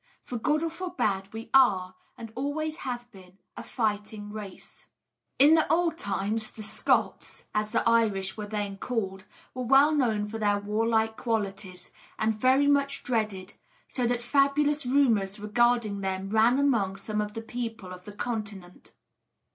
For good or for bad, we are, and always have been, a fighting race. In old times the 'Scots' as the Irish were then called were well known for their warlike qualities, and very much dreaded; so that fabulous rumours regarding them ran among some of the people of the Continent.